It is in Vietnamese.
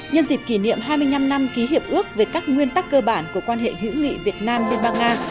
nhân dịp kỷ niệm hai mươi năm năm ký hiệp ước về các nguyên tắc cơ bản của quan hệ hữu nghị việt nam liên bang nga